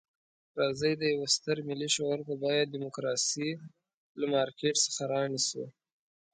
راځئ د یوه ستر ملي شعور په بیه ډیموکراسي له مارکېټ څخه رانیسو.